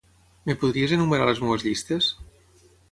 Em podries enumerar les meves llistes?